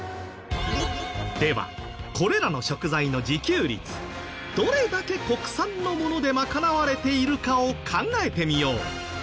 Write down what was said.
ではこれらの食材の自給率どれだけ国産のもので賄われているかを考えてみよう。